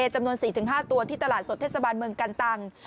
จำนวน๔๕ตัวที่ตลาดสดเทศบาลเมืองกันตัง